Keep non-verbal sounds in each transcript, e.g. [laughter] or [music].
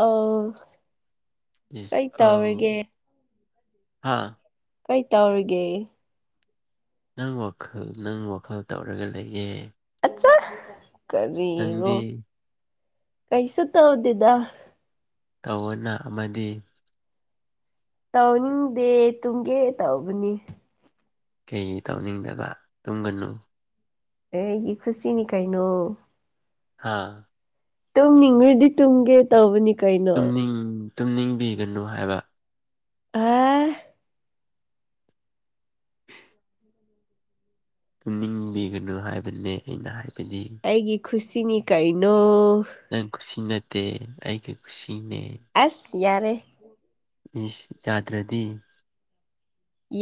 ꯑꯥꯎ ꯏꯁ ꯀꯩ ꯇꯧꯔꯤꯒꯦ ꯍꯥꯥ ꯀꯩ ꯇꯧꯔꯤꯒꯦ ꯅꯪ ꯋꯥꯈꯜ ꯅꯪ ꯋꯥꯈꯜ ꯇꯧꯔꯒ ꯂꯩꯌꯦ ꯑꯠꯆꯥ ꯀꯔꯤꯔꯣ ꯅꯪꯗꯤ ꯀꯩꯁꯨ ꯇꯧꯗꯦꯗ ꯇꯧꯑꯣꯅ ꯑꯃꯗꯤ ꯇꯧꯅꯤꯡꯗꯦ ꯇꯨꯡꯒꯦ ꯇꯧꯕꯅꯤ ꯀꯩ ꯇꯧꯅꯤꯡꯗꯕ ꯇꯨꯝꯒꯅꯨ ꯑꯩꯒꯤ ꯈꯨꯨꯁꯤꯅꯤ ꯀꯥꯏꯅꯣ ꯍꯥꯥ ꯇꯣꯡꯅꯤꯡꯈ꯭ꯔꯗꯤ ꯇꯨꯡꯒꯦ ꯇꯧꯕꯅꯤ ꯀꯩꯅꯣ ꯇꯨꯝꯅꯤꯡ ꯇꯨꯝꯅꯤꯡꯕꯤꯒꯅꯨ ꯍꯥꯏꯕ ꯑ [unintelligible] ꯇꯅꯤꯡꯕꯤꯒꯅꯨ ꯍꯥꯏꯕꯅꯦ ꯑꯩꯅ ꯍꯥꯏꯕꯗꯤ ꯑꯩꯒꯤ ꯈꯨꯁꯤꯅꯤ ꯀꯩꯅꯣ ꯅꯪ ꯈꯨꯁꯤ ꯅꯠꯇꯦ ꯑꯩꯒꯤ ꯀꯁꯤꯅꯦ ꯑꯁ ꯌꯥꯔꯦ ꯌꯥꯗ꯭ꯔꯗꯤ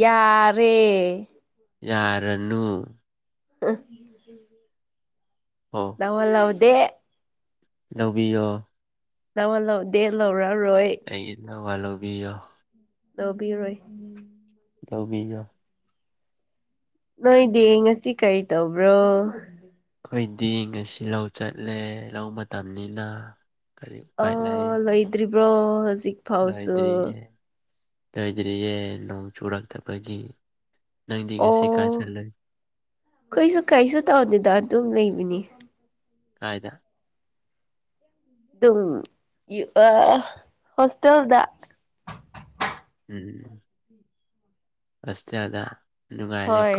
ꯌꯥꯔꯦ ꯌꯥꯔꯅꯨ ꯑ ꯑꯣ ꯌꯥ ꯂꯥꯎꯗꯦ ꯂꯧꯕꯤꯌꯣ ꯂꯋꯥ ꯂ ꯗꯦ ꯂꯧꯔꯥꯎꯔꯣꯏ ꯀꯣ ꯋꯥꯣꯕꯤ ꯂꯧꯕꯤꯔꯣꯏ ꯇꯧꯕꯤꯌꯨ ꯅꯣꯏꯗꯤ ꯉꯁꯤ ꯀꯔꯤ ꯇꯧꯕ꯭ꯔꯣ ꯑꯩꯈꯣꯏꯗꯤ ꯉꯁꯤ ꯂꯧ ꯆꯠꯂꯦ ꯂꯧ ꯃꯇꯝꯅꯤꯅ ꯀꯔꯤ ꯎꯄꯥꯏ ꯑ ꯂꯣꯏꯗ꯭ꯔꯤꯕ꯭ꯔꯣ ꯍꯧꯖꯤꯛ ꯐꯥꯎꯁꯨ ꯂꯩꯣꯏꯗ꯭ꯔꯤꯌꯦ ꯂꯣꯏꯗ꯭ꯔꯤꯌꯦ ꯅꯣꯡ ꯆꯨꯔꯛꯇꯕꯒꯤ ꯅꯪꯗꯤ ꯉꯁꯤ ꯑꯣ ꯀꯥꯏ ꯆꯜꯂ ꯑꯩꯈꯣꯏꯁꯨ ꯀꯩꯁꯨ ꯇꯧꯗꯦꯗ ꯑꯗꯨꯝ ꯂꯩꯕꯅꯤ ꯀꯥꯏꯗ ꯑꯗꯨꯝ ꯍꯣꯁꯇꯦꯜꯗ ꯎꯝ ꯔꯁ ꯑꯗ ꯍꯣꯏ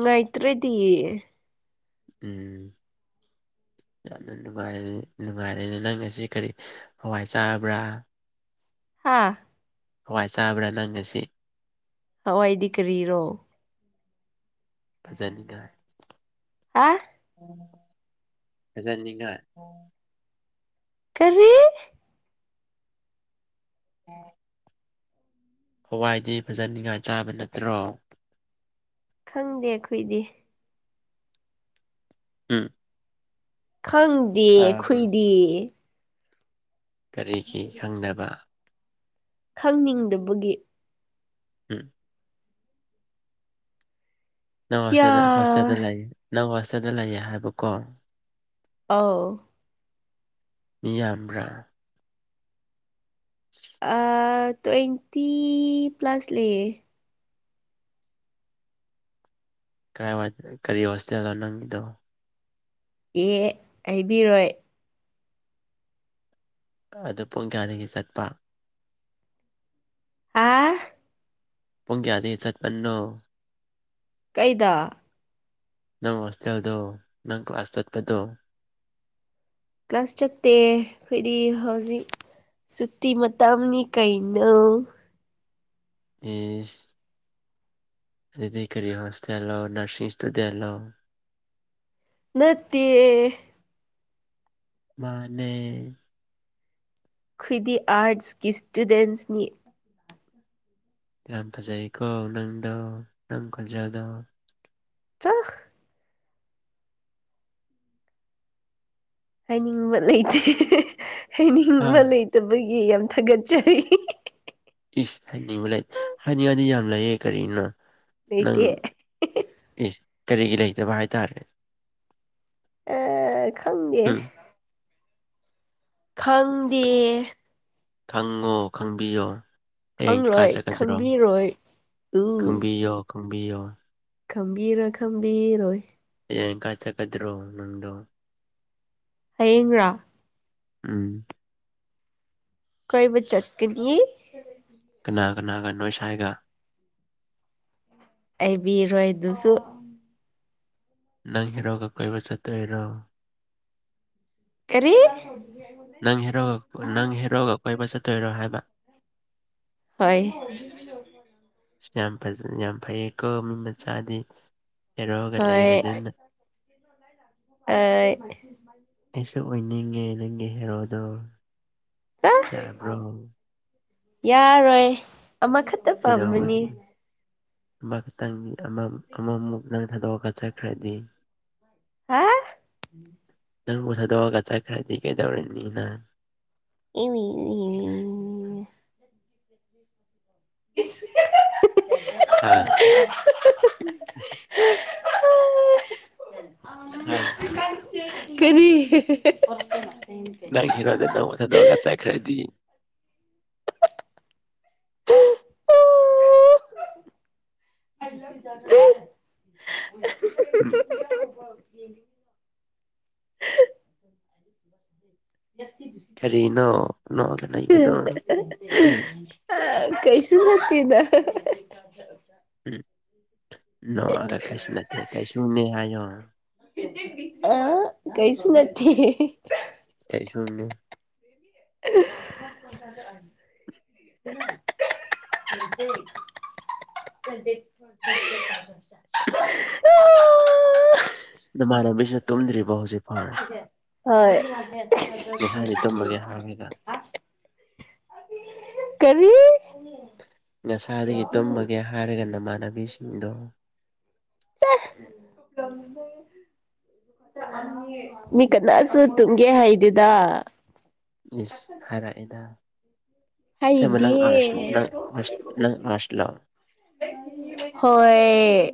ꯉꯥꯏꯇ꯭ꯔꯔꯤꯗꯤꯌꯦ ꯎꯝ ꯌꯥꯝꯅ ꯅꯨꯡꯉꯥꯏꯔ ꯅꯨꯡꯉꯥꯏꯔꯦꯅꯦ ꯅꯪ ꯑꯁꯤ ꯀꯔꯤ ꯍꯋꯥꯏ ꯆꯥꯕ꯭ꯔꯥ ꯍꯥꯥ ꯍꯋꯥꯏ ꯆꯥꯕ꯭ꯔꯥ ꯅꯪ ꯉꯁꯤ ꯍꯋꯥꯏꯗꯤ ꯀꯔꯤꯔꯣ ꯐꯖꯅꯤꯡꯉꯥꯏ ꯍꯥ ꯐꯖꯅꯤꯡꯉ ꯀꯔꯤ ꯑꯣ ꯍꯋꯥꯏꯗꯤ ꯐꯖꯅꯤꯡꯉꯥꯏ ꯆꯥꯕ ꯅꯠꯇ꯭ꯔꯣ ꯈꯪꯗꯦ ꯑꯩꯈꯣꯏꯗꯤ ꯎꯝ ꯈꯪꯗꯦ ꯇꯥꯕ꯭ꯔꯣ ꯈꯨꯏꯗꯦ ꯀꯔꯤꯒꯤ ꯈꯪꯗꯅꯕ ꯈꯪꯅꯤꯡꯗꯕꯒꯤ ꯎꯝ ꯅꯪ ꯌꯥ ꯍꯣꯁꯇꯦꯜꯗ ꯍꯣꯁꯇꯦꯜꯗ ꯂꯩ ꯅꯪ ꯍꯣꯁꯇꯦꯜꯗ ꯂꯩꯌꯦ ꯍꯥꯏꯕꯀꯣ ꯑꯥꯎ ꯃꯤꯌꯥꯝꯕ꯭ꯔꯥ ꯑ ꯇ꯭ꯋꯦꯟꯇꯤ ꯄ꯭ꯂꯁ ꯂꯩꯌꯦ ꯀꯥꯏ ꯀꯔꯤ ꯍꯣꯁꯇꯦꯜꯅꯣ ꯅꯪꯒꯤꯗꯣ ꯑꯦ ꯍꯥꯏꯕꯤꯔꯣꯏ ꯑꯗꯨ ꯄꯨꯡ ꯀꯌꯥꯗꯒꯤ ꯆꯠꯄ ꯍꯥ ꯄꯨꯡ ꯀꯌꯥꯗꯒꯤꯩ ꯆꯠꯄꯅꯣ ꯀꯩꯗ ꯅꯪ ꯍꯣꯁꯇꯦꯜꯗꯨ ꯅꯪ ꯀ꯭ꯂꯥꯁ ꯆꯠꯄꯗꯨꯣ ꯀ꯭ꯂꯥꯁ ꯆꯠꯇꯦ ꯑꯩꯈꯣꯏꯗꯤ ꯍꯧꯖꯤꯛ ꯁꯨꯇꯤ ꯃꯇꯝꯅꯤꯒꯤ ꯀꯩꯅꯣ ꯄꯤꯁ ꯑꯗꯨꯗꯤ ꯀꯔꯤ ꯍꯣꯁꯇꯦꯜꯂꯣ ꯅꯔꯁꯤꯡ ꯏꯁꯇꯨꯗꯦꯟꯂꯣ ꯅꯠꯇꯦ ꯃꯅꯦ ꯈꯈꯣꯏꯗꯤ ꯑꯔꯠꯁꯀꯤ ꯏꯁꯇꯨꯗꯦꯟꯁꯅꯤ ꯀꯝ ꯐꯖꯩꯌꯦꯀꯣ ꯅꯪꯗꯣ ꯅꯪ ꯀꯣꯟꯖꯦꯜꯗꯣ ꯆꯥꯛ ꯍꯥꯏꯅꯤꯡꯕ ꯂꯩꯇꯦ ꯍꯥꯏꯅꯤꯡꯕ ꯑꯥ ꯂꯩꯇꯕꯒꯤ ꯌꯥꯝ ꯊꯥꯒꯠꯆꯔꯤ ꯏꯁ ꯍꯥꯏꯅꯤꯡꯕ ꯂꯩ ꯍꯥꯏꯅꯤꯡꯉꯗꯤ ꯌꯥꯝ ꯂꯩꯑ ꯀꯔꯤꯅꯣ ꯅꯪ ꯂꯩꯇꯦ ꯑꯦ ꯀꯔꯤꯒꯤ ꯂꯩꯇꯕ ꯍꯥꯏꯇꯥꯔꯦ ꯑꯦ ꯈꯪꯒꯦ ꯎꯝ ꯈꯪꯗꯦ ꯊꯪꯉꯣ ꯈꯪꯕꯤꯌꯣ ꯍꯌꯦꯡ ꯀꯥ ꯈꯪꯂꯣꯏ ꯆꯠꯀꯗ꯭ꯔꯣ ꯈꯪꯕꯤꯔꯣꯏ ꯈꯪꯕꯤꯌꯣ ꯈꯪꯕꯤꯌꯣ ꯈꯝꯕꯤꯔꯣꯏ ꯈꯝꯕꯤꯔꯣꯏ ꯍꯌꯦ ꯏꯪ ꯀꯥꯏ ꯆꯠꯀꯗ꯭ꯔꯣ ꯅꯪꯗꯣ ꯍꯌꯦꯡꯒ ꯔꯥ ꯎꯝ ꯀꯣꯏꯕꯨ ꯆꯠꯀꯅꯤ ꯀꯅꯥ ꯀꯅꯥꯒ ꯅꯣꯏ ꯁꯥꯏꯒ ꯑꯩꯕꯤꯔꯣꯏ ꯑꯗꯨꯁꯨ ꯅꯪ ꯍꯔꯣꯒ ꯀꯣꯏꯕ ꯆꯠꯇꯣꯏꯔꯣ ꯀꯔꯤ ꯅꯪ ꯍꯦꯔꯣꯒ ꯅꯪ ꯍꯦꯔꯣꯒ ꯀꯣꯏꯕ ꯆꯠꯇꯣꯏꯔꯣ ꯍꯥꯏꯕ ꯍꯣꯏ ꯌꯥꯝ ꯐꯖ ꯌꯥꯝ ꯐꯩꯌꯦ ꯀꯣ ꯃꯤ ꯃꯆꯥꯗꯤ ꯍꯦꯔꯣꯒ ꯍꯣꯏ ꯂꯩꯔꯗꯅ ꯑꯩꯁꯨ ꯑꯣꯏꯅꯤꯡꯉꯦ ꯅꯪꯒꯤ ꯍꯦꯔꯣꯗꯣ ꯌꯥꯕ꯭ꯔꯣ ꯌꯥꯔꯣꯏ ꯑꯃꯈꯛꯇ ꯄꯥꯝꯕꯅꯤ ꯑꯃ ꯈꯇꯪ ꯑꯃ ꯑꯃꯃꯨꯛ ꯅꯪ ꯊꯥꯗꯣꯛꯑꯒ ꯆꯠꯈ꯭ꯔꯗꯤ ꯍꯥ ꯅꯪꯕꯨ ꯊꯥꯗꯣꯛꯑꯒ ꯆꯠꯈ꯭ꯔꯗꯤ ꯀꯩꯗꯧꯔꯤꯅꯤ ꯅꯪ [unintelligible] ꯍꯥ [unintelligible] ꯍꯥ [unintelligible] ꯀꯔꯤ ꯅꯪ ꯍꯤꯔꯣꯗ ꯅ ꯑꯣꯁ ꯗꯣꯒ ꯆꯥꯏꯈꯔꯗꯤ [unintelligible] [unintelligible] [unintelligible] ꯀꯔꯤꯅꯣ ꯅꯣꯛꯑꯒ ꯂꯩꯕꯗꯣ ꯍꯨꯡ ꯑ ꯀꯩꯁꯨ ꯅꯠꯇꯦꯗ ꯎꯝ ꯅꯣꯛꯑꯒ ꯀꯩꯁꯨꯅꯠꯇꯦ ꯀꯩꯁꯨꯅꯦ ꯍꯥꯏꯌꯣ ꯑ ꯀꯩꯁꯨ ꯅꯠꯇꯦ ꯀꯩꯁꯨꯅꯤ [unintelligible] [unintelligible] [unintelligible] [unintelligible] ꯅꯃꯥꯟꯅꯕꯤꯁꯦ ꯇꯨꯝꯗ꯭ꯔꯤꯕꯣ ꯍꯧꯖꯤꯛ ꯐꯥꯎ ꯉꯁꯥꯏꯗꯤ ꯇꯨꯝꯃꯒꯦ [unintelligible] ꯍꯥꯏꯔꯒ [unintelligible] ꯉꯁꯥꯏꯗꯒꯤ ꯇꯨꯝꯃꯒꯦ ꯍꯥꯏꯔꯒ ꯅꯃꯥꯟꯅꯕꯤꯁꯤꯡꯗꯣ [unintelligible] ꯅꯣꯏ ꯀꯅꯥꯁꯨ ꯇꯨꯝꯒꯦ ꯍꯥꯏꯗꯦꯗ ꯏꯁ ꯍꯥꯏꯔꯛꯑꯦꯗ ꯑꯁꯦꯡꯕ ꯍꯩꯗꯤ ꯅꯪ ꯑꯥꯔꯠꯁ ꯅꯪ ꯑꯥꯔꯠꯁ ꯅꯪ ꯑꯥꯔꯠꯁ ꯂꯣ ꯍꯣꯏ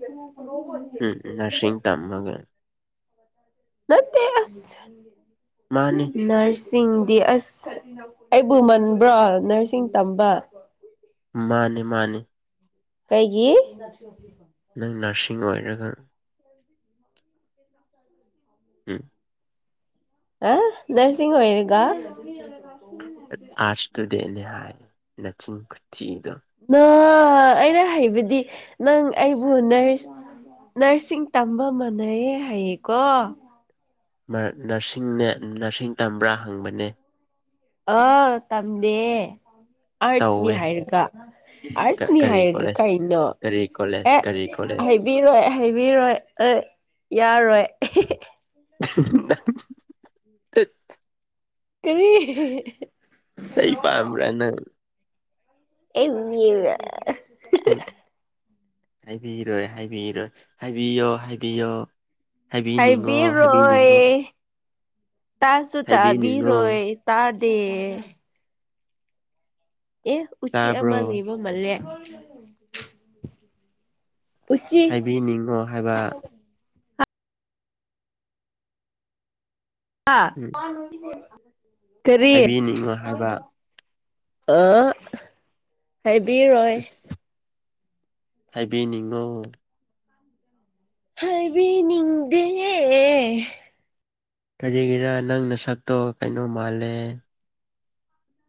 ꯎꯝ ꯎꯝ ꯅꯔꯁꯤꯡ ꯇꯝꯃꯒ ꯅꯠꯇꯦ ꯑꯁ ꯃꯥꯅꯤ ꯅꯔꯁ ꯆꯤꯡꯗꯤ ꯑꯁ ꯑꯩꯕꯨ ꯃꯟꯕ꯭ꯔ ꯅꯔꯁꯤꯡ ꯇꯝꯕ ꯃꯥꯅꯦ ꯃꯥꯅꯦ ꯀꯩꯒꯤ ꯅꯪ ꯅꯔꯁꯤꯡ ꯑꯣꯏꯔꯒ [inaudible] ꯎꯝ ꯑ ꯅꯔꯁꯤꯡ ꯂꯣꯏꯔꯒ [unintelligible] ꯑꯥꯔꯠꯁ ꯁ꯭ꯇꯨꯗꯦꯟꯅꯤ ꯍꯥꯏ ꯅꯆꯤꯡ ꯈꯨꯊꯤꯗꯣ ꯅ ꯑꯩꯅ ꯍꯩꯕꯗꯤ ꯅꯪ ꯑꯩꯕꯨ ꯅꯔꯁ ꯅꯔꯁꯤꯡ ꯇꯝꯕ ꯃꯥꯟꯅꯩꯌꯦ ꯍꯥꯏꯌꯦꯀꯣ ꯅꯔ ꯅꯔꯁꯤꯡꯅꯦ ꯅꯔꯁꯤꯡ ꯇꯝꯕ꯭ꯔꯥ ꯍꯪꯕꯅꯦ ꯑꯥ ꯇꯝꯗꯦ ꯑꯥꯔꯠꯁꯅꯤ ꯇꯧꯋꯦ ꯍꯥꯏꯔꯒ ꯀ- ꯑꯔꯁꯅꯤ ꯀꯔꯤ ꯍꯥꯏꯔꯗ ꯀꯣꯂꯦꯖ ꯀꯩꯅꯣ ꯀꯔꯤ ꯀꯣꯂꯦꯖ ꯑꯦ ꯀꯔꯤ ꯀꯣꯂꯦꯖ ꯍꯩꯕꯤꯔꯣꯏ ꯍꯩꯕꯤꯔꯣꯏ ꯑꯦ ꯌꯥꯔꯣꯏ [unintelligible] ꯀꯔꯤ ꯑꯩꯅꯪ [unintelligible] ꯎꯝ ꯍꯥꯏꯕꯤꯔꯣꯏ ꯍꯥꯏꯕꯤꯔꯣꯏ ꯍꯥꯏꯕꯤꯌꯣ ꯍꯥꯏꯕꯤꯌꯣ ꯍꯥꯏꯕꯤꯅꯤꯡꯉꯣ ꯍꯥꯏꯕꯤꯅꯤꯡꯉꯣ ꯇꯥꯁꯨꯨ ꯍꯥꯏꯕꯤꯅꯤꯡꯉꯣ ꯇꯥꯕꯤꯔꯣꯏ ꯇꯔꯗꯦ ꯑꯦ ꯎꯆꯦꯛ ꯑꯃ ꯇꯥꯕ꯭ꯔꯣ ꯂꯩꯕ ꯃꯥꯜꯂꯦ ꯎꯆꯤ ꯍꯥꯏꯕꯤꯅꯤꯡꯉꯣ ꯍꯥꯏꯕ ꯍꯥꯥ ꯎꯝ ꯀꯔꯤ ꯍꯥꯏꯕꯤꯅꯤꯡꯉꯣ ꯍꯥꯏꯕ ꯑꯑꯥ ꯍꯥꯏꯕꯤꯔꯣꯏ ꯍꯥꯏꯕꯤꯅꯤꯡꯉꯣ ꯍꯥꯏꯕꯤ [unintelligible] ꯗ‌ꯦ ꯀꯔꯤꯒꯤꯔ ꯅꯪ ꯅꯁꯛꯇꯣ ꯀꯩꯅꯣ ꯃꯥꯜꯂꯦ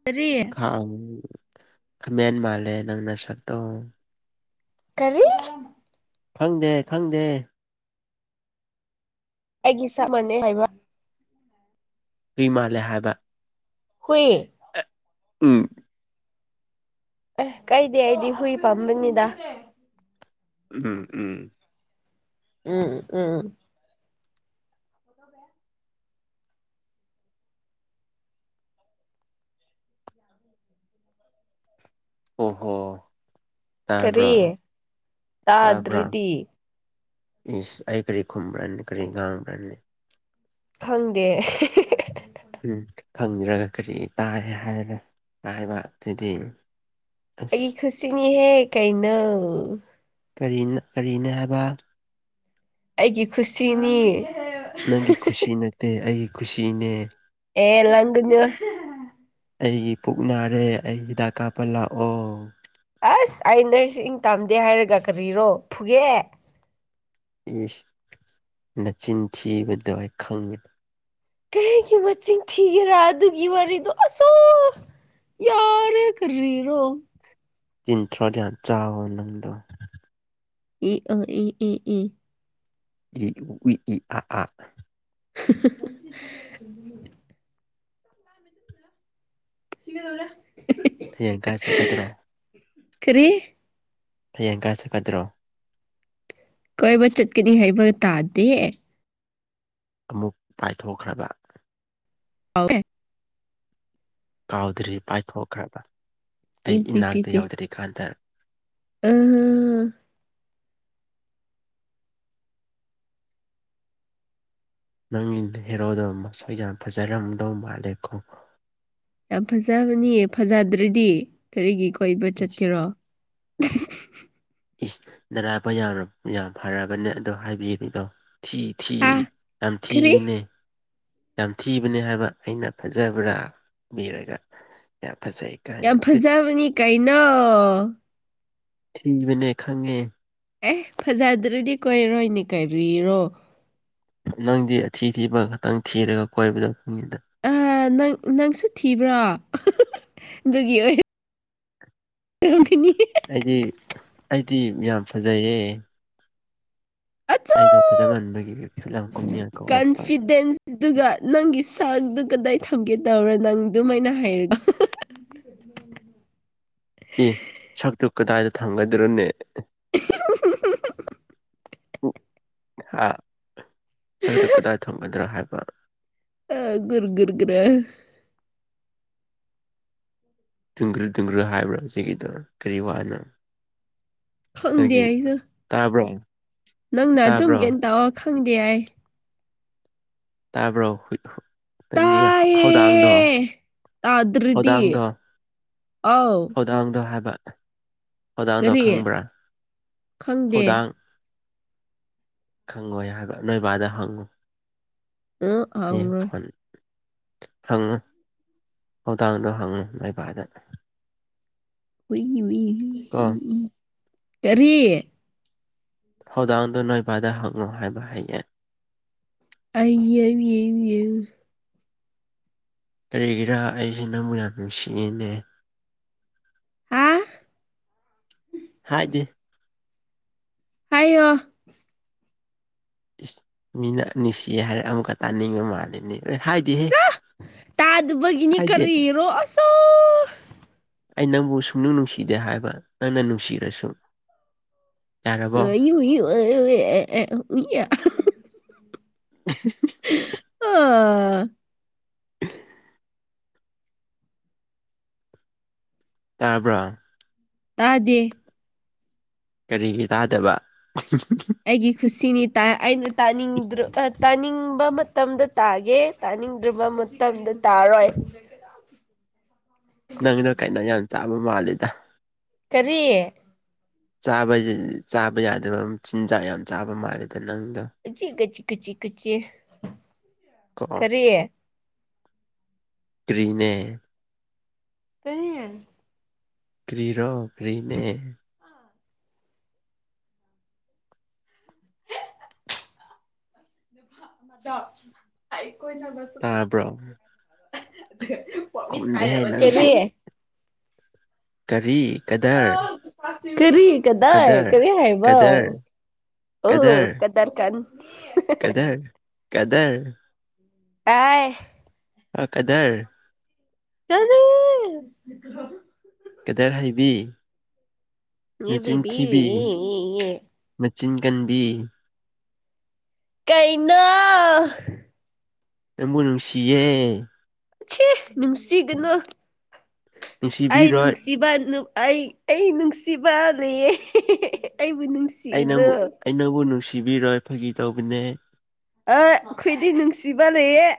ꯀꯔꯤ ꯑ ꯍꯃꯦꯟ ꯃꯥꯜꯂꯦ ꯅꯪ ꯅꯁꯛꯇꯣ ꯀꯔꯤ ꯈꯪꯗꯦ ꯈꯪꯗꯦ ꯑꯩꯒꯤ ꯁꯛ ꯃꯥꯅꯩ ꯍꯥꯏꯕ ꯍꯨꯏ ꯃꯥꯜꯂꯦ ꯍꯥꯏꯕ ꯍꯨꯏ ꯎꯝ ꯑꯦ ꯀꯥꯏꯗ‌ꯦ ꯑꯩꯗꯤ ꯍꯨꯏ ꯄꯥꯝꯕꯅꯤꯗ ꯎꯝ ꯎꯝ ꯎꯝ ꯎꯝ [inaudible] ꯑꯣ ꯍꯣ ꯇꯕꯔ‌ꯣ ꯀꯔꯤ ꯇꯕꯔ‌ꯣ ꯇꯥꯗ꯭ꯔꯗꯤ ꯏꯁ ꯑꯩ ꯀꯔꯤ ꯈꯨꯝꯕ꯭ꯔꯅ‌ꯦ ꯀꯔꯤ ꯉꯥꯡꯕ꯭ꯔꯅ‌ꯦ ꯈꯪꯗꯦ ꯈꯪꯗ꯭ꯔꯒ ꯀꯔꯤ ꯇꯥꯏ ꯍꯥꯏꯔꯦ ꯍꯥꯏꯕ ꯑꯗꯨꯗꯤ ꯑꯁ ꯑꯩꯒꯤ ꯈꯨꯠꯁꯤꯅꯤ ꯍꯦ ꯀꯩꯅꯣ ꯀꯔꯤꯅ ꯀꯔꯤꯅ‌ꯦ ꯍꯥꯏꯕ ꯑꯩꯒꯤ ꯈꯨꯁꯤꯅꯤ ꯅꯪꯒꯤ ꯈꯨꯁꯤ ꯅꯠꯇꯦ ꯑꯩꯒꯤ ꯈꯨꯁꯤꯅꯦ ꯑꯦ ꯂꯥꯡ ꯒꯅꯨ ꯑꯩꯒꯤ ꯄꯨꯛ ꯅꯥꯔꯦ ꯑꯩ ꯍꯤꯗꯥꯛ ꯀꯥꯞꯄ ꯂꯥꯛꯑꯣ ꯑꯁ ꯑꯩ ꯅꯔꯁꯤꯡ ꯇꯥꯝꯗꯦ ꯍꯥꯏꯔꯒ ꯀꯔꯤꯔꯣ ꯐꯨꯒꯦ ꯏꯁ ꯅꯆꯤꯟ ꯊꯤꯕꯗ‌ꯣ ꯑꯩ ꯈꯪꯉ‌ꯦ ꯀꯔꯤꯒꯤ ꯃꯆꯤꯡ ꯊꯤꯒꯦꯔꯥ ꯑꯗꯨꯒꯤ ꯋꯥꯔꯤꯗꯣ ꯑꯁꯣ ꯌꯔ ꯀꯔꯤꯔꯣ ꯇꯤꯟꯊ꯭ꯔꯣꯠ ꯌꯥꯝ ꯆꯥꯕ ꯅꯪꯗꯣ ꯏ ꯑ ꯏ ꯏ ꯏ ꯏ ꯎ ꯏ ꯏ ꯑ ꯑ [unintelligible] ꯁꯤꯒꯦꯗꯧꯔꯦ ꯐꯌꯦꯡ ꯀꯥꯏ ꯆꯠꯀꯗ꯭ꯔꯣ ꯀꯔꯤ ꯍꯌꯦꯡ ꯀꯥꯏ ꯆꯠꯀꯗ꯭ꯔꯣ ꯀꯣꯏꯕ ꯆꯠꯀꯅꯤ ꯍꯥꯏꯕ ꯇꯥꯗꯦ ꯑꯃꯨꯛ ꯄꯥꯏꯊꯣꯛꯈ꯭ꯔꯕ [unintelligible] ꯀꯥꯎꯗ꯭ꯔꯤ ꯄꯥꯏꯊꯣꯛꯈ꯭ꯔꯕ ꯑꯩ ꯏꯪ ꯄꯤ ꯏꯅꯥꯛꯇ ꯌꯧꯗ꯭ꯔꯤꯀꯥꯟꯗ ꯑꯝ ꯅꯪ ꯍꯦꯔꯣꯗꯣ ꯃꯁꯛꯏ ꯌꯥꯝ ꯐꯖꯔꯝꯗꯧ ꯃꯥꯜꯂꯦꯀꯣ ꯌꯥꯝ ꯐꯖꯕꯅꯤ ꯐꯖꯗ꯭ꯔꯗꯤ ꯀꯔꯤꯒꯤ ꯀꯣꯏꯕ ꯏꯁ ꯆꯠꯀꯦꯔꯣ ꯏꯁ ꯅꯔꯥꯏꯕꯛ ꯌꯥꯝ ꯌꯥꯝ ꯐꯔꯕꯅꯦ ꯑꯗꯣ ꯍꯥꯏꯕꯤꯕꯤꯗꯣ ꯊꯤ ꯊꯤ ꯍꯥ ꯀꯔꯤ ꯌꯥꯝꯊꯤꯕꯅ‌ꯦ ꯌꯥꯝ ꯊꯤꯕꯅ‌ꯦ ꯍꯥꯏꯕ ꯑꯩꯅ ꯐꯖꯕ꯭ꯔꯥ ꯍ‌ꯦꯕꯤꯔꯒ ꯌꯥꯝ ꯐꯖꯩ ꯀꯥꯏꯅ ꯌꯥꯝ ꯇꯤꯠ ꯐꯖꯕꯅꯤ ꯀꯩꯅꯣ ꯊꯤꯕꯅꯦ ꯈꯥꯡꯉ‌ꯦ ꯑꯦ ꯐꯖꯗ꯭ꯔꯗꯤ ꯀꯣꯏꯔꯣꯏꯅꯦ ꯀꯔꯤꯔꯣ ꯅꯪꯗꯤ ꯑꯊꯤ ꯊꯤꯕ ꯈꯇꯪ ꯊꯤꯔꯒ ꯀꯣꯏꯕꯗ‌ꯣ ꯃꯤꯗꯥ ꯅꯪ ꯅꯪꯁꯨ ꯊꯤꯕ꯭ꯔꯣ ꯑꯗꯨꯒꯤ ꯑꯣꯏ ꯑꯣꯢꯔꯝꯒꯅꯤ ꯑꯩꯗꯤ ꯑꯩꯗꯤ ꯌꯥꯝ ꯐꯖꯩꯌꯦ ꯑꯆꯥ ꯑꯩꯗꯣ ꯐꯖꯃꯟꯕꯒꯤ ꯐꯤꯂꯝ ꯀꯨꯝꯁꯤꯅ ꯀꯧꯔꯛꯄ ꯑꯗꯨꯒ ꯅꯪꯒꯤ ꯆꯥꯛꯗꯨ ꯀꯗꯥꯏ ꯊꯝꯒꯦ ꯇꯧꯔꯣ ꯅꯪ ꯑꯗꯨꯃꯥꯏꯅ ꯍꯥꯏꯔꯒ ꯑꯦ ꯁꯛꯇꯨ ꯀꯗꯥꯏꯗ ꯊꯥꯡꯒꯗ꯭ꯔꯅꯦ [unintelligible] ꯁꯔꯗꯨ ꯀꯗꯥꯏ ꯊꯝꯒꯗ꯭ꯔꯣ ꯍꯥꯏꯕ ꯑ ꯒꯨꯔꯨ ꯒꯨꯔꯨ ꯒꯔꯥ ꯇꯨꯡꯒ꯭ꯔꯨ ꯇꯨꯡꯒ꯭ꯔꯨ ꯍꯥꯏꯕ꯭ꯔꯥ ꯍꯧꯖꯤꯛꯀꯤꯗꯣ ꯀꯔꯤ ꯋꯥꯅꯣ ꯈꯪꯗꯦ ꯅꯪꯒꯤ ꯑꯩꯁꯨ ꯇꯥꯕ꯭ꯔꯣ ꯅꯪꯅ ꯑꯗꯨꯝ ꯒ꯭ꯌꯥꯟ ꯇꯥꯕ꯭ꯔꯣ ꯇꯥꯑꯣ ꯈꯪꯗꯦ ꯑꯩ ꯇꯥꯕ꯭ꯔꯣ ꯅꯪꯒꯤ ꯇꯥꯏꯌꯦ ꯍꯧꯗꯥꯡꯗꯣ ꯇꯥꯗ꯭ꯔꯗꯤ ꯍꯧꯗꯥꯡꯗꯣ ꯑꯥꯎ ꯍꯧꯗꯥꯡꯗꯣ ꯍꯥꯏꯕ ꯍꯦꯗꯥꯡꯗꯣ ꯀꯔꯤ ꯈꯪꯕ꯭ꯔꯥ ꯈꯪꯗꯦ ꯍꯧꯗꯥꯡ ꯈꯪꯉꯣꯏ ꯍꯥꯏꯕ ꯅꯣꯏ ꯕꯥꯗ ꯍꯪꯉꯨ ꯑ ꯍꯌꯦꯡ ꯍꯥꯎꯔꯣꯏ ꯐꯣꯟ ꯍꯪꯉꯨ ꯍꯧꯗꯥꯡꯗꯣ ꯍꯪꯉꯨ ꯅꯣꯢ ꯕꯥꯗ ꯋꯨꯢ ꯋꯨꯢ ꯀꯣ ꯢ ꯀꯔꯤ ꯍꯧꯗꯥꯡꯗꯨ ꯅꯣꯏꯕꯥꯗ ꯍꯪꯉꯨ ꯍꯥꯏꯕ ꯍꯥꯌꯦꯡ ꯑ [unintelligible] ꯀꯔꯤꯒꯤꯔꯥ ꯑꯩꯁꯦ ꯅꯪꯕꯨ ꯌꯥꯝ ꯅꯨꯡꯁꯤꯌꯦꯅꯦ ꯍꯥ ꯍꯥꯏꯗꯦ ꯍꯥꯏꯌꯣ ꯏꯁ ꯃꯤꯅ ꯅꯨꯡꯁꯤꯌꯦ ꯍꯥꯏꯔ ꯑꯃꯨꯛꯀ ꯇꯥꯅꯤꯡꯕ ꯃꯥꯜꯂꯤꯅꯦ ꯍꯥꯏꯗꯦ ꯆꯥ ꯇꯥꯗꯕꯒꯤꯅꯤ ꯀꯔꯤꯔꯣ ꯑꯥꯆꯥ ꯑꯩ ꯅꯪꯕꯨ ꯁꯨꯡꯅꯨꯡ ꯅꯨꯡꯁꯤꯗꯦ ꯍꯥꯏꯕ ꯅꯪꯅ ꯅꯨꯡꯁꯤꯔꯁꯨ ꯌꯥꯔꯕꯣ [unintelligible] [unintelligible] ꯑꯥ ꯇꯥꯕ꯭ꯔꯥ ꯇꯥꯗꯦ ꯀꯔꯤꯒꯤ ꯇꯥꯗꯕ ꯑꯩꯒꯤ ꯈꯨꯁꯤꯅꯤ ꯇꯥ ꯑꯩꯅ ꯇꯥꯅꯤꯡꯗ꯭ꯔ ꯇꯥꯅꯤꯡꯕ ꯃꯇꯝꯗ ꯇꯥꯒꯦ ꯇꯥꯅꯤꯡꯗ꯭ꯔꯕ ꯃꯇꯝꯗ ꯇꯥꯔꯣꯏ ꯅꯪꯗꯣ ꯀꯩꯅꯣ ꯌꯥꯝ ꯆꯥꯕ ꯃꯥꯂꯤꯗ ꯀꯔꯤ ꯆꯥꯕ ꯍꯥꯏꯁꯤ ꯆꯥꯕ ꯌꯥꯗꯕ ꯆꯤꯟꯖꯥꯛ ꯌꯥꯝ ꯆꯥꯕ ꯃꯥꯜꯂꯤꯗ ꯅꯪꯗꯣ [unintelligible] ꯀꯣ ꯀꯔꯤ ꯀꯔꯤꯅꯦ ꯀꯔꯤ ꯀ꯭ꯔꯤꯔꯣ ꯀ꯭ꯔꯤꯅꯦ [unintelligible] ꯑꯩ ꯀꯣꯏꯅꯕ ꯁꯨꯛꯇꯪ ꯇꯥꯕ꯭ꯔꯣ ꯊꯝꯗꯦ [unintelligible] ꯄꯣꯃꯤꯁ ꯈꯨꯝꯗꯦꯍꯦ ꯍꯥꯏꯔꯛꯑꯣꯅꯦ ꯅꯪꯁꯨ ꯀꯔꯤ ꯀꯔꯤ ꯀꯗꯔ ꯀꯔꯤ ꯀꯗꯥꯏ ꯀꯗꯔ ꯀꯔꯤ ꯍꯥꯏꯕꯥ ꯀꯗꯔ ꯑꯣ ꯀꯗꯔ ꯀꯟ ꯀꯗꯔ ꯀꯗꯔ ꯑꯥꯏ ꯍꯣ ꯀꯗꯔ ꯀꯔꯤ ꯀꯗꯔ ꯍꯩꯕꯤ ꯏ ꯕꯤꯕꯤ ꯌꯦꯌꯦꯌꯦ ꯃꯦꯆꯤꯟ ꯀꯟꯕꯤ ꯀꯩꯅꯣ ꯅꯦꯡꯕꯨ ꯅꯨꯡꯁꯤꯌꯦ ꯏꯆꯦ ꯅꯨꯡꯁꯤꯒꯅꯨ ꯑꯩ ꯅꯨꯡꯁꯤꯕꯤꯔꯣꯏ ꯅꯨꯡꯁꯤ ꯁꯤꯕ ꯅꯨ ꯑꯩ ꯑꯩ ꯅꯨꯡꯁꯤꯕ ꯂꯩꯌꯦ ꯑꯩꯕꯨ ꯅꯨꯡꯁꯤ ꯑꯩ ꯅꯪꯕꯨ ꯑꯩ ꯅꯪꯕꯨ ꯅꯨꯡꯁꯤꯕꯤꯔꯣꯏ ꯐꯥꯒꯤ ꯇꯧꯕꯅꯦ ꯑ ꯑꯣꯏꯗꯤ ꯅꯨꯡꯁꯤꯕ ꯂꯩꯌꯦ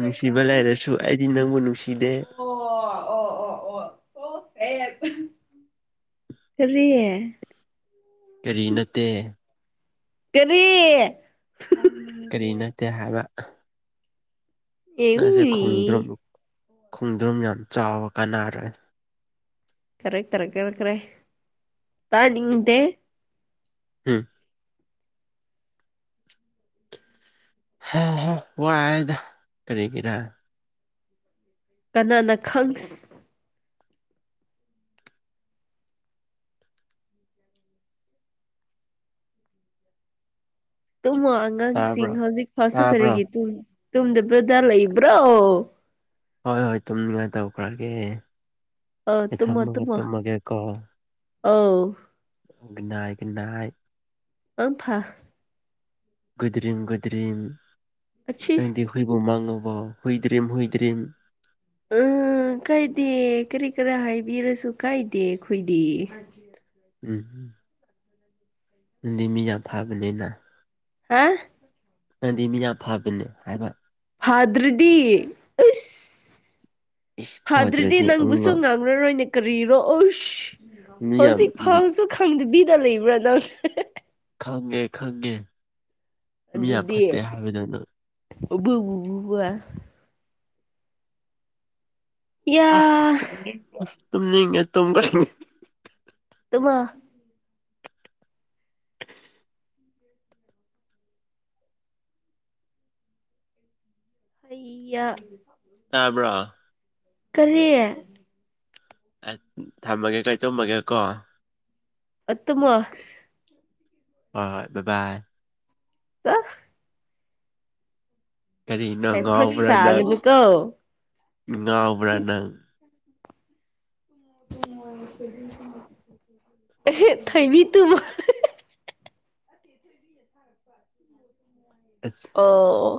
ꯅꯨꯡꯁꯤꯕ ꯂꯩꯔꯁꯨ ꯑꯩꯗꯤ ꯅꯪꯕꯨ ꯅꯨꯡꯁꯤꯗꯦ ꯑꯣ ꯑꯣ ꯑꯣ ꯑꯣ ꯁꯣ ꯁꯦꯗ ꯀꯔꯤ ꯀꯔꯤ ꯅꯠꯇꯦ ꯀꯔꯤ ꯀꯔꯤ ꯅꯠꯇꯦ ꯍꯥꯏꯕ ꯅꯪꯁꯦ ꯈꯣꯡꯗ꯭ꯔꯨꯝ ꯈꯣꯡꯗ꯭ꯔꯨꯝ ꯌꯥꯝ ꯆꯥꯎꯕ ꯀꯥꯟꯅꯔꯦ ꯀꯔꯦ ꯀꯔꯛ ꯀꯔꯛꯈꯀꯔꯦ ꯇꯥꯅꯤꯡꯗꯦ ꯎꯝ ꯍꯍ ꯋꯥꯔꯦꯗ ꯀꯔꯤꯒꯤꯔ ꯀꯅꯥꯅ ꯈꯪꯁ ꯇꯨꯝꯃꯣ ꯑꯉꯥꯡꯁꯤꯡ ꯇꯥꯕ꯭ꯔꯣ ꯍꯧꯖꯤꯛ ꯐꯥꯎꯁꯨ ꯇꯥꯕ꯭ꯔꯣ ꯀꯔꯤꯒꯤ ꯇꯨꯝꯗꯕꯗ ꯂꯩꯕ꯭ꯔꯣ ꯍꯣꯏ ꯍꯣꯏ ꯇꯨꯝꯅꯤꯡꯉꯥꯏ ꯇꯧꯈ꯭ꯔꯒꯦ ꯑꯩ ꯇꯨꯝꯃꯣ ꯊꯝꯃꯒ ꯇꯨꯝꯃꯣ ꯇꯨꯝꯃꯒꯦꯀꯣ ꯑꯧ ꯒꯨꯗ ꯅꯥꯏ ꯒꯨꯗ ꯅꯥꯏꯠ ꯑꯪ ꯐꯥ ꯒꯨꯗꯨꯗ꯭ꯔꯤꯝ ꯒꯨꯗꯗ꯭ꯔꯤꯝ ꯑꯁꯤ ꯅꯪꯗꯤ ꯍꯨꯏꯕꯨ ꯃꯪꯉꯕꯣ ꯍꯨꯏꯗ꯭ꯔꯤꯝ ꯍꯨꯏꯗ꯭ꯔꯤꯝ ꯎꯝ ꯀꯥꯏꯗꯦ ꯀꯔꯤ ꯀꯔꯥ ꯍꯥꯏꯕꯤꯔꯁꯨ ꯀꯥꯏꯗꯦ ꯑꯩꯈꯣꯏꯗꯤ ꯎꯝ ꯅꯪꯗꯤ ꯃꯤ ꯌꯥꯝ ꯐꯥꯕꯅꯤꯅ ꯍꯥ ꯅꯪꯗꯤ ꯃꯤ ꯌꯥꯝ ꯐꯕꯅꯦ ꯍꯥꯏꯕ ꯍꯥꯗ꯭ꯔꯗꯤ ꯑꯩꯁ ꯏꯁ ꯍꯥꯗ꯭ꯔꯗꯤ ꯐꯗ꯭ꯔꯗꯤ ꯅꯪꯕꯨꯁꯨ ꯑꯃꯨꯛ ꯉꯝ ꯐꯔꯔꯣꯏꯅꯦ ꯀꯔꯤꯔꯣ ꯑꯁ ꯃꯤ ꯌꯥꯝ ꯍꯧꯖꯤꯛ ꯎꯝ ꯐꯥꯎꯁꯨ ꯈꯪꯗꯕꯤꯗ ꯂꯩꯕ꯭ꯔꯥ ꯅꯪ ꯈꯪꯉꯦ ꯈꯪꯉꯦ ꯃꯤ ꯌꯥꯝ ꯑꯗꯨꯗꯤ ꯐꯠꯇꯦ ꯍꯥꯏꯕꯗꯣ ꯅꯪ [unintelligible] ꯌꯥ ꯑ ꯇꯨꯝꯅꯤꯡꯕ ꯇꯨꯝꯅꯤꯡꯉꯦ ꯇꯨꯝꯕ [unintelligible] ꯇꯨꯝꯃꯣ [unintelligible] ꯇꯥꯕ꯭ꯔꯣ ꯀꯔꯤ ꯑꯁ ꯊꯝꯃꯒꯦ ꯀꯣ ꯑꯩ ꯇꯧꯝꯃꯒꯦ ꯀꯣ ꯑ ꯇꯨꯝꯃꯣ ꯍꯣꯏ ꯍꯣꯏ ꯕꯥ ꯕꯥꯏ [unintelligible] ꯀꯔꯤꯅꯣ ꯍꯥꯏꯐꯛ ꯉꯥꯎꯕ꯭ꯔꯥ ꯅꯪ ꯁꯥꯒꯅꯨꯀꯣ ꯉꯥꯎꯕ꯭ꯔꯥ ꯅꯪ ꯊꯣꯏꯕꯤ ꯇꯨꯝꯃꯣ [inaudible] [unintelligible] ꯑꯧ